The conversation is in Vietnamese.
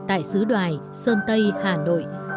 tại xứ đoài sơn tây hà nội